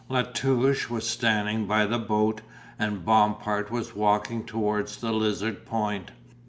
La Touche was standing by the boat and Bompard was walking towards the Lizard point.